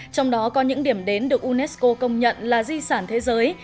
trong đó có những điểm đến được unesco công nhận là di sản thế giới